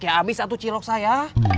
ya habis satu cilok saya